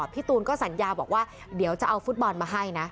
พี่ตูนก็สัญญาบอกว่าเดี๋ยวจะเอาฟุตบอลมาให้นะ